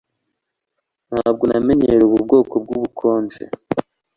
Ntabwo namenyereye ubu bwoko bwubukonje